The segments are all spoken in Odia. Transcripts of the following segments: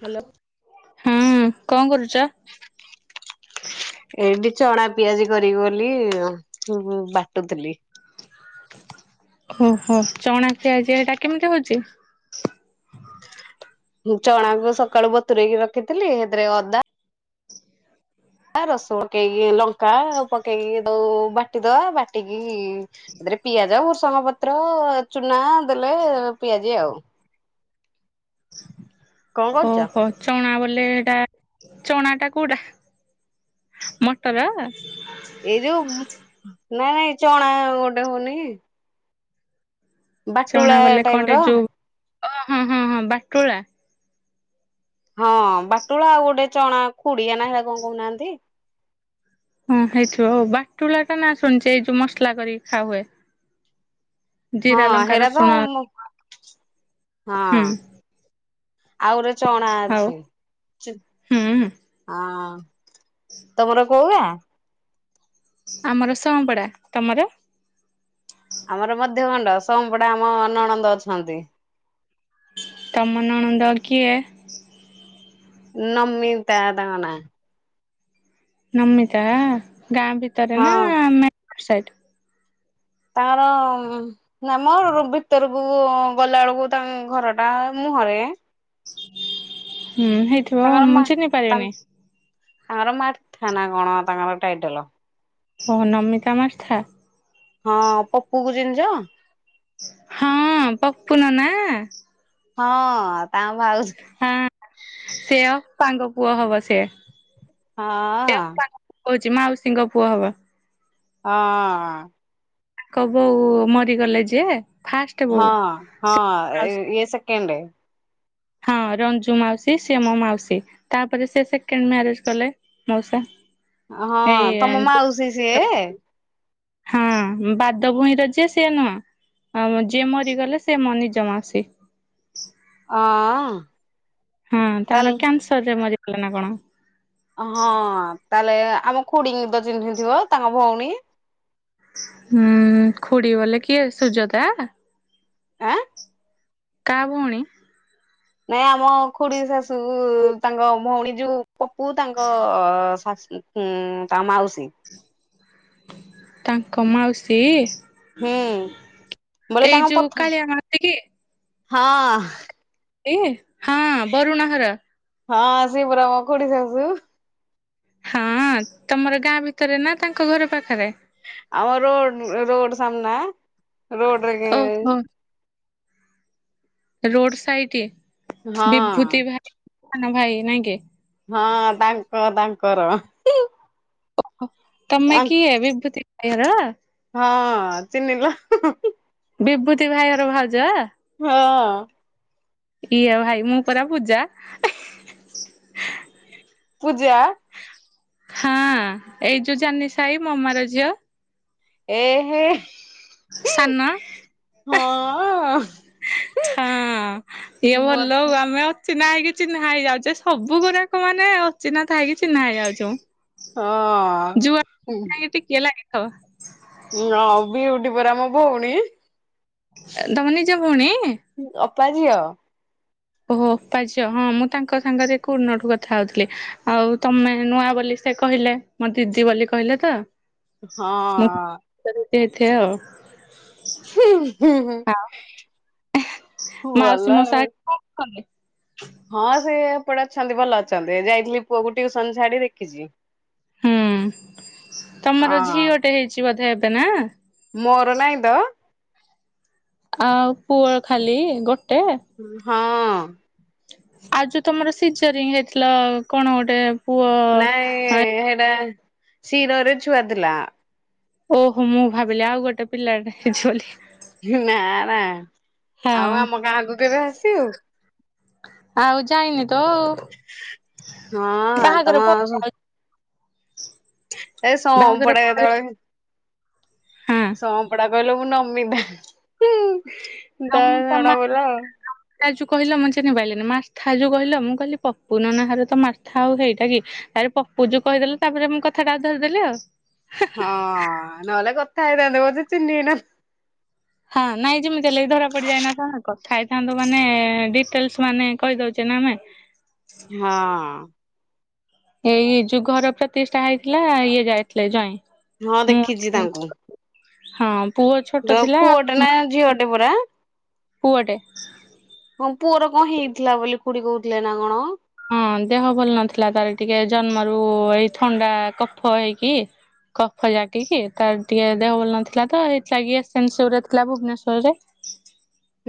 ହ୍ୟାଲୋ ହୁଁ କଣ କରୁଛ? ଏଇଠି ଚଣା ପିଆଜି କରିକି ବୋଲି ବାଟୁଥିଲି । ଠିକ [inaudible] ଓହୋ, ଚଣା ପିଆଜି ଏଇଟା କେମିତି ହଉଛି? ଚଣାକୁ ସକାଳୁ ବତୁରଇକି ରଖିଥିଲି ସେଥିରେ ଅଦା ଆ ରସୁଣ ପକେଇକି, ଲଙ୍କା ପକେଇକି, ତାକୁ ବାଟିଦବା ବାଟିକି ତାରେ ପିଆଜ ଆଉ ମୃସଙ୍ଗ ପତ୍ର ଚୁନା ଦେଲେ ପିଆଜି ଆଉ କଣ କରୁଛ? ଓହୋ, ଚଣା ଲେ ଏଟା ଚଣା ଟା କୋଉଟା ମଟର ଏଇ ଯୋଉ ନାଇଁ ନାଇଁ ଚଣା ଗୋଟେ ହଉନି ବାଟୁଳା ଚଣା ବଲେ ଟାଇପ କଣ ର ଟେ ଯୋଉ ଅ ହଁ ହଁ ହଁ ବାଟୁଳା ହଁ ବାଟୁଳା ଆଉ ଗୋଟେ ଚଣା ଖୁଡିଆ ନା ହୋ କଣ କହୁନାହାନ୍ତି ହଁ ହେଇଥିବ ଆଉ ବାଟୁଳା ଟା ନା ଶୁଣିଛେ ଏଇ ଯୋଉ ମସଲା କରିକି ଖା ହୁଏ ହଁ ଜିରା ଲଙ୍କା ହେରା ତ ରସୁଣ ହଁ ହୁଁ ଆଉ ଗୁରେ ଚଣା ଆଉ ଅଛି, ହୁଁ ହଁ ତମର କୋଉ ଗାଁ? ଆମର ସାଂପଡା, ତମର? ଆମର ମଧ୍ୟ ଗଣ୍ଡ ସୋମ ପଡ଼ା ଆମ ନନନ୍ଦ ଅଛନ୍ତି । ତମ ନଣନ୍ଦ କିଏ । ନମିତା ତାଙ୍କ ନାଁ । ନମିତା ଗାଁ ଭିତରେ ନା ହଁ ମାର୍କେଟ ସାଇଟ । ତାଙ୍କର ନା ମର ଭିତରକୁ ଗଲା ବେଳକୁ ତାଙ୍କ ଘର ଟା ମୁ । ହରେ । ହୁଁ ହେଇଥିବ ମୁଁ ମା ଚିହ୍ନି ପାରିବିନି । ତାଙ୍କର ମାରଥେ ନା କଣ ତାଙ୍କର ଟାଇଟଲ । ଓ ହୋ ନମିତା ମାରଥା । ହଁ ପପୁ କୁ ଚିନିଛ । ହଁ ପପୁ ନନା । ହଁ ତାଙ୍କ ଭାଉଜ । ସାଙ୍ଗ ପୁଅ ହବ ସେ । ହଁ । ମାଉସୀ ଙ୍କ ପୁଅ ହବ। ହଁ । ତାଙ୍କ ବୋଉ ମରିଗଲେ ଯେ । ହଁ ହଁ ଇଏ ସେକେଣ୍ଡ । ହଁ । ରଞ୍ଜୁ ମାଉସୀ ସିଏ ମୋ ମାଉସୀ ତାପରେ ସେ ସେକେଣ୍ଡ ମ୍ୟାରେଜ କଲେ ମାଉସା । ହଁ ତମ ମାଉସି ସିଏ। ହଁ ବାଦ ଭୂଇଁ ର ଯିଏ ସିଏ ନୁହଁ। ଆଉ ଯିଏ ମରିଗଲେ ସେ ମୋ ନିଜ ମାଉସି । ଅହଁ । ହଁ ତାଙ୍କର କ୍ୟାନସର ରେ ମରିଗଲା ନା କଣ । ହଁ ତାହେଲେ ଆମ ଖୁଡି ଙ୍କୀ ତ ଚିହ୍ନିଥିବ ତାଙ୍କ ଭଉଣୀ। ହୁଁ ଖୁଡ଼ି ବଲେ କିଏ ସୁଯତା । ଆଁ । କା ଭଉଣୀ । ନାଇଁ ଆମ ଖୁଡି ଶାଶୁ ତାଙ୍କ ଭଉଣୀ ଯୋଉ । ପପୁ ତାଙ୍କ ଶାଶୁ ତାଙ୍କ ମାଉସୀ । ତାଙ୍କ ମାଉସୀ । ହୁଁ ବୋଲେ ଏଇ ତାଙ୍କ ଯୋଉ ପଥ କାଳିଆ ମାତି କି । ହଁ । ଏ ହଁ ବରୁଣ ଘର । ହଁ ସିଏ ପରା ମୋ ଖୁଡି ସାସୁ । ହଁ ତମର ଗାଁ ଭିତରେ ନା ତାଙ୍କ ଘର ପାଖରେ । ଆମ ରୋ ରୋଡ ସାମ୍ନା ରୋଡରେ । ଓହୋ ରୋଡ ସାଇଡ ହଁ ବିଭୂତି ଭାଇ ଭାଇ ନାଇଁ କି । କର । ତମେ କିଏ ବିଭୂତି ଭାଇ ଘର। ହଁ ଚିନିଲ । ବିଭୂତି ଭାଇଘର ଭାଉଜ। ହଁ । ଇଏ ଭାଇ ମୁଁ ପରା ପୂଜା । ପୂଜା । ହଁ ଏଇ ଯୋଉ ଜନି ସାହି ମମାର ଝିଅ । ଏ ହେ ସାନ ହଁ । ହଁ ଇଏ ଭଲ ଆଉ ମ ଆମେ ଅଚି ଚିହ୍ନା ହେଇକି ଚିହ୍ନା ହେଇଯାଉଚେ ସବୁ ଗୁଡାକ ମାନେ ଅଛିିହ୍ନା । ତାହା କିଛି ନାହିଁ ଆଉ ହଁ ଯୋଉ ଯୁଆ ଯକ ଟିକେ ଲାଗିଥାଅ। ହଁ ହଁ ବିଉଡି ପରା ଆମ ଭଉଣୀ ତମ ନିଜ ଭଉଣୀ? ଅପା ଝିଅ। ଓହୋ ପାଜ ହଁ ମୁଁ ତାଙ୍କ ସାଙ୍ଗରେ ଏକ ଉନଠୁ କଥା ହଉଥିଲି ଆଉ ତମେ ନୂଆ ବୋଲି ସେ କହିଲେ ମୋ ଦିଦି ବୋଲି କହିଲେ ତ। ହଁ। ସେଥା ଭଲ। ହମେ ହଁ ସେ ଏପଟେ ଅଛନ୍ତି ଭଲ ଅଛନ୍ତି ଯାଇଥିଲି ପୁଅକୁ ଟିୁସନ ଛାଡି ଦେଖିଛି। ହୁଁ ତମର ଝିଅ ହଁ ଗୋଟେ ହେଇଛି ବଧେ ଏବେ ନା ମୋର ନାହିଁ ତ। ଆଉ ପୁଅ ଖାଲି ଗୋଟେ? ହଁ। ଆଉ ଯୋଉ ତମର ସିଜରିଙ୍ଗ ହେଇଥିଲା କଣ ଗୋଟେ ପୁଅ ନାଇ ସେଇଟା ସୀରରେ ଛୁଆ ଥିଲା। ଓହୋ ମୁଁ ଭାବିଲି ଆଉ ଗୋଟେ ପିଲାଟା ହେଇଛି ବୋଲି। ନା ନା ଆଉ ହଁ ଆମ ଗାଁକୁ କେବେ ଆସିବୁ? ଆଉ ଯାଇନି ତ ହଁ ତମ ବାହାଘର ପ ଏ ଶପଡା ପରେ କେତେବେଳେ ହଁ ଶପଡା କହିଲୁ। ମୁଁ ନମିତା ଆଉ ତ ମୁଁ ମା ଜଡା ବଲ ଆ ତା ଯଉ କହିଲ ମେନି ପାଇନି ମାସ୍ଥା ଯୋଉ କହିଲ ମୁଁ କହିଲି ପପୁନ ନାହାରରେ ତ ମାସ୍ଥା ଆଉ ହେଇଟା କି ପପୁ ଯୋଉ କହିଦଲେ ତାପରେ ମୁଁ କଥାଟା ଧରିଦେଲି ଆଉ। ହଁ ନହେଲେ କଥାଇ ବ ଚିନ ନା। ହଁ ନାଇଁ ଯେମିତି ହେ ଲାଗି ଧରା ପଡିଯାଏନା କଣ କ ଖାଇଥାନ୍ତୁ ମାନେ ଡିଟେଲସ ମାନେ କହିଦଉଛେ ନା ଆମେ ହଁ। ଏଇ ଯୋଉ ଘର ପ୍ରତିଶ ଟା ହେଇଥିଲା ଇଏ ଯାଇଥିଲେ ଜାଇଁ। ହଁ ଦେଖିଛି ତାଙ୍କୁ ହଁ ପୁଅ ଛୋଟ ତ ଥିଲା ପୁଅଟେ ନା ଝିଅଟେ ପରା ପୁଅଟେ ହଁ ପୁଅର କଣ ହେଇଥିଲା ବୋଲି ଖୁଡି କହୁଥିଲେ ନା କଣ? ହଁ ଦେହ ଭଲ ନଥିଲା ତାର ଟିକେ ଜନ୍ମରୁ ଏଇ ଥଣ୍ଡା କଫ ହେଇକି କଫ ଜାକ କି ତାର ଟିକେ ଦେହ ଭଲ ନଥିଲା ତ ଏଇଥିଲାଗିସନେଶରରେ ଥିଲା ଭୁବନେଶ୍୍ୱର ରେ ହଁ।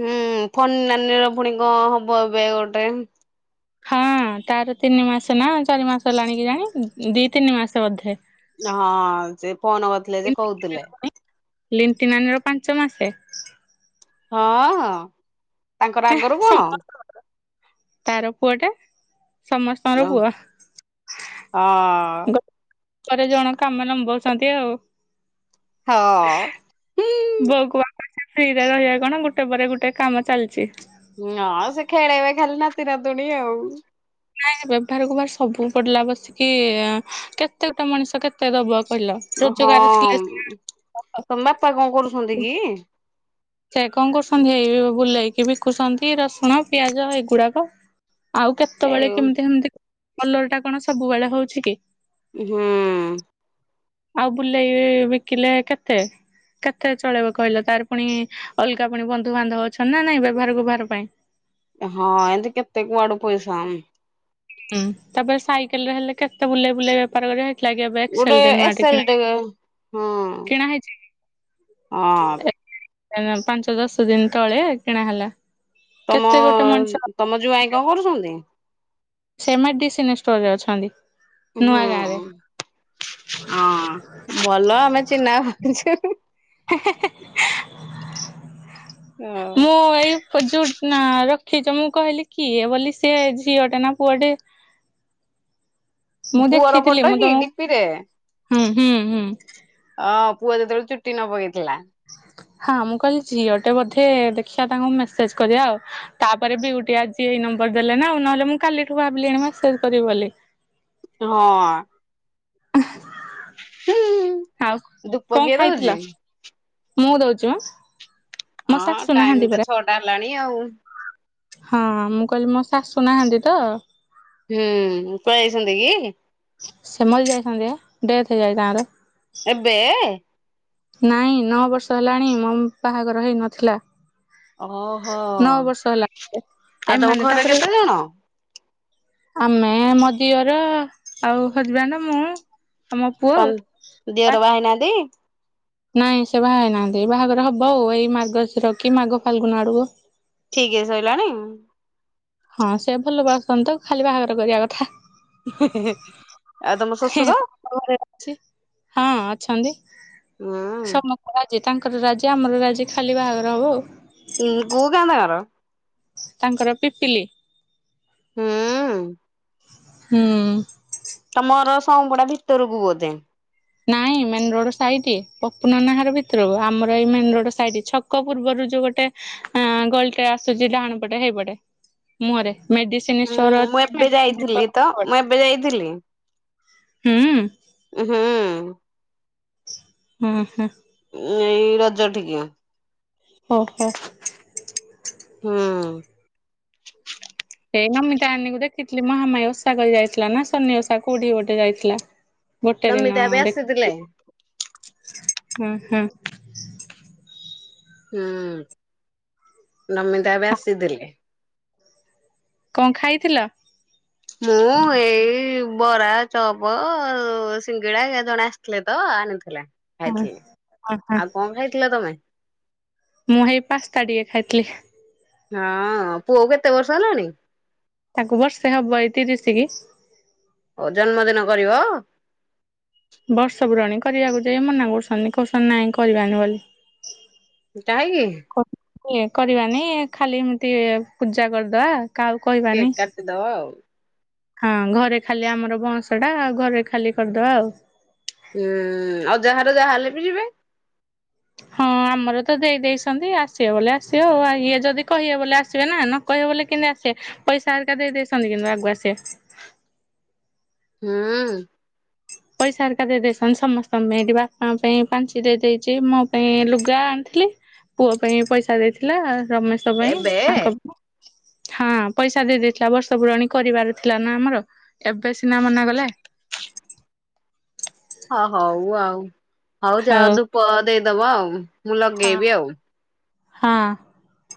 ହୁଁ ଫନ ନାନୀର ପୁଣି କଣ ହବ ଏବେ ଗୋଟେ ହଁ ତାର ତିନି ମାସ ନା ଚାରି ମାସ ହେଲାଣିିକ ଜାଣି ଦି ତିନି ମାସ ବୋଧେ ହଁ ସେ ଫୋନ କରିଥିଲେ ଯେ କହୁଥିଲେ। ଲିଟି ନାନୀର ପାଞ୍ଚ ମାସ ହଁ ତାଙ୍କର ଆଗରୁ କଣ ସମସ୍ତ ତାର ପୁଅ ଟା ସମସ୍ତଙ୍କର ହଁ ପୁଅ ଜଣ କାମ ଲମ୍ବଉଛନ୍ତି ଆଉ। ହଁ ହଁ। ଫ୍ରୀରେ ରହିବା କଣ ଗୋଟେ ପରେ ଗୋଟେ କାମ ଚାଲିଛି। ହଁ ସେ ଖେଳେଇବେ ଖେଲି ନାତି ନାଦୁଣି ଆଉ। ନାଇଁ ବ୍ୟବହାରକୁ ବାାର ସବୁ ପଡିଲା ବସିକି କେତେ ଗୋଟା ମଣିଷ କେତେ ଦବ। କହିଲ ହଁ ରୋଜଗାର ଥିଲେ ତମ ବାପା କଣ କରୁଛନ୍ତି କି ସେ କଣ କରୁଛନ୍ତି ଏଇ ବୁଲେଇକି ବିକୁଛନ୍ତି ରସୁଣ ପିଆଜ ଏଇଗୁଡାକ ଆଉ ଏ କେତେବେଳେ କେମିତି ସେମତି କଲର ଟା କଣ ସବୁବେଳେ ହଉଛି କି। ହୁଁ। ଆଉ ବୁଲେଇ ବିକିଲେ କେତେ କେତେ ଚଳେଇବ କହିଲ ତାର ପୁଣି ଅଲଗା ପୁଣି ବନ୍ଧୁବାନ୍ଧବ ଅଛନ୍ତି ନା ନାଇଁ ବ୍ୟବହାରକୁବହାର ପାଇଁ ହଁ ଏମତି କେତେ କୁଆଡୁ ପଇସା ଆ ହୁଁ ତାପରେ ସାଇକେଲ ରେ ହେଲେ କେତେ ବୁଲେଇ ବୁଲେଇ ବେପାର କରିବା। ଏ ଲଗି ବକ୍ ଗୋଟେ ଚେଡ୍ରନ୍ ମା ଏସେଲ କିଣା ଟେ ହଁ କେଣା ହେଇଛି? ହଁ ପାଞ୍ଚ ଦଶ ଦିନ ତଳେ କିଣା ହେ। ଲା ତମ ତମ ଯୋଉ ଭାଇ କଣ କରୁଛନ୍ତି? ସେମଡିସିୋର ରେ ଅଛନ୍ତି। ନୂଆ ହୁଁ ଗାଁ ରେ ହଁ ଭଲ ଆମେ ଚିହ୍ନା କରଛେ। ମୁଁ ହଁ ଏଇୁ ଖଚ ମୁଁ କହିଲି କିଏ ବୋଲି ସେିଏ ଝିଅଟେ ନା ପୁଅଟେ ମୁଁ ପୁଅର ଦେଖିଥିଲି ଫଟୋ ମୁଁ କି ଡିପିରେ? ତମକୁ ହୁଁ ହୁଁ ହୁଁ। ଅଁ ପୁଅ ଯେତେବେଳେ ଚୁଟି ନ ପକେଇଥିଲା ହଁ ମୁଁ କହିଲି ଝିଅଟେ ବୋଧେ ଦେଖିବା ତାଙ୍କୁ ମେସେଜ କରିବା ଆଉ ତାପରେ ବି ଗଆ। ନମ୍ବର ଦେଲେ ନା ଆଉ ନହେଲେ ମୁଁ କାଲି ଠୁ ଭାବିଲି ଏଣି ମେସେଜ କରିବି ବୋଲି ହଁ। ଅ ଆଉ ଧୂପ କଣ କିଏ ଖାଇଥିଲା ଦଉଛି? ମୁଁ ଦଉଛିୁ। ହଁ ଟାଇମ ତ ଛଅ ଟା ହେଲାଣି ଆଉ। ହଁ ମୁଁ କହିଲି ମୋ ଶାଶୁ ନାହାନ୍ତି ତ ହୁଁ ପାଇସଛନ୍ତି କି? ସେ ମରି ଯାଇଥାନ୍ତି ପା ଡେଥ ହେଇଯାଇଛି ତାଙ୍କର ଏବେ? ନାଇଁ ନଅ ବର୍ଷ ହେଲାଣି ମୋ ବାହାଘର ହେଇ ନଥିଲା ଓହୋ । ନଅ ବର୍ଷ ହେଲା ଆଉ ତମ ଏମାନେ ଘରେ ତାପରେ କେତେ ଜଣ? ଆମେ ମୋ ଦିଅର ଆଉ ହଜବାଣ୍ଡ ମୁଁ ଆମ ପୁଅ [inaudible] ତମ ଦିଅର ବାହା ହେଇନାହାନ୍ତି ନାଇଁ ସେ ବାହାଘ ହେଇ ନାହାନ୍ତି ବାହାଘର ହବ ଆଉ ଏଇ ମାର୍ଘଶିର କି ମାଗ ଫାଲଗୁନା ଆଡକୁ ଠିକେ ସରିଲାଣି? ହଁ ସେ ଭଲ ପାଉଛନ୍ତି ତ ଖାଲି ବାହାଘର କରିବା କଥା। ଆଉ ତମ ଶ୍ୱଶୁର [inaudible] ହଁ ଅଛନ୍ତି ହୁଁ [inaudible] ତାଙ୍କର ରାଜି ଆମର ରାଜି ଖାଲି ବାହାଘର ହେବ ଆଉ। ହଁ ଗୁଗ ନ କାର ତାଙ୍କର ପିପିଲି । ହୁଁ । ହୁଁ । ପାଊ ଗୋଡା ଭିତରକୁ ବୋଧେ ନାଇଁ ମେନ ରୋଡ ସାଇଡ ପପୁନନା ହର ଭିତରରୁ ଆମର ଏଇ ମେ ରୋଡ ସାଇଡ ଛକ ପୂର୍ବରୁ ଯୋଉ ଗୋଟେ ଅ ଗଳିଟେ ଆସୁଛି ଡାହାଣ ପଟେ ହେଇପଟେ ମୁହରେ ହଁ ମୁଁ ଏବେ ଯାଇଥିଲି ତ ମୁଁ ଏବେ ଯାଇଥିଲି ହୁଁ । ହୁଁ । ହୁଁ ହୁଁ । ଏଇ ରଜ ଟିକି ଓ ହୋ । ହୁଁ ସେଇ ନମିତା ଆଣୀକୁ ଦେଖିଥିଲି ମହାମାଇ ଓଷା କରି ଯାଇଥିଲା ନା ସନି ଓଷା କଠି ଗୋଟେ ଯାଇଥିଲା ଗୋଟେ ଦିନ ନମିତା ଏବେ ଦେଖ ଆସିଥିଲେ ହୁଁ ହୁଁ। ହୁଁ [inaudible] ନମିତା ଏବେ ଆସିଥିଲେ।। କଣ ଖାଇଥିଲ? ମୁଁ ଏଇ ବରା ଚପ ସିଙ୍ଗିଡା ଜଣେ ଆସିଥିଲେ ତ ଆଣିଥିଲେ । ହଁ ଖାଇଥିଲି ହଁ ହଁ ଆଉ କଣ ଖାଇଥିଲ ତମେ? ମୁଁ ହେଇ ପାସ୍ତା ଟିକେ ଖାଇଥିଲି । ହଁ ପୁଅ କେତେ ବର୍ଷ ହେଲାଣି? ତାଙ୍କୁ ବର୍ଷେ ହବ ଏଇତି ତିରିଶକି। ହଉ ଜନ୍ମଦିନ କରିବ? ବର୍ଷ ପୂୁରଣୀ କରିବାକୁ ଯାଇ ମନା କରୁସଛନ୍ତି। କୁସଛନ୍ତି ନାଇଁ କରିବାନି ବୋଲି । କାହିଁକି? କରିବାନି ଖାଲି ଏମତି ପୂଜା କରିଦବା । କେକ୍ କାଟିଦବା ଆଉ । ହଁ ଘରେ ଖାଲି ଆମର ବଁଶ ଟା ଆଉ ଘରେ ଖାଲି କରିଦବା ଆଉ । ହୁଁ ଆଉ ଯାହାର ଯାହା ହେଲେ ବି ଯିବେ । ହଁ । ଆମର ତ ଦେଇେଇଛନ୍ତି ଆସିବେ ବଲେ ଆସିବ ଆଉ ଇଏ ଯଦି କହିବେ ବୋଲେ ଆସିବେ ନା ନ କହିବେ ବଲେ କେମିତି ଆସିବେ । ପଇସା କା ଦେଇ ଦେଇେଇଛନ୍ତି କିନ୍ତୁ ଆଗକୁଆ ଆସେ । [inaudible] ହୁଁ । ପଇସା ଘରିକା ଦେଇ ଦେଇସନ ସମସ୍ତେ ଏଠି ବାପା ପାଇଁ ପାଞ୍ଚ ଦେଇଦେଇଛି ମୋ ପାଇଁ ଲୁଗା । ଥିଲ ପୁଅ ପାଇଁ ପଇସା ଦେଇଥିଲା ରମେଶ ପାଇଁ ଏବେ ତାଙ୍କ ପାଇଁ ହଁ। ପଇସା ଦେଇ ଦେଇେଇଥିଲା ବର୍ଷ ପୁରାଣୀ କରିବାର ଥିଲା ନା ଆମର ଏବେ ସିନା ମନା କଲେ। ହ ହଉ ଆଉ ହଉ ଯା ଧୂପ ଦେଇଦବ ଆଉ। ମୁଁ ହଁ। ଲଗେଇବି ଆଉ। ହଁ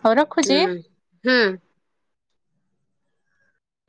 ହଉ ରଖୁଛି। ହଁ।